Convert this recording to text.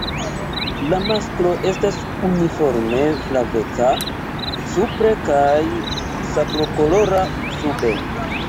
La masklo estas uniforme flaveca supre kaj sablokolora sube.